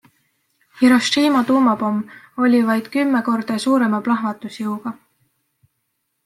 Hiroshima tuumapomm oli vaid kümme korda suurema plahvatusjõuga.